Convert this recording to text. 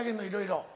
いろいろ。